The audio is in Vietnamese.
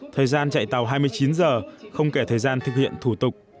thời gian chạy tàu hai mươi chín giờ không kể thời gian thực hiện thủ tục